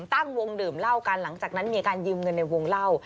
ตั้งวงดื่มเหล้ากันหลังจากนั้นมีการยืมเงินในวงเล่า